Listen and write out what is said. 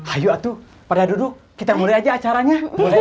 ayo tuh pada duduk kita mulai aja acaranya